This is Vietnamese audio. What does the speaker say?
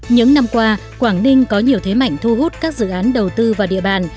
những năm qua quảng ninh có nhiều thế mạnh thu hút các dự án đầu tư vào địa bàn